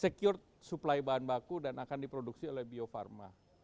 secure supply bahan baku dan akan diproduksi oleh bio farma